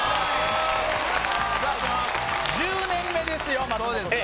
１０年目ですよ松本さん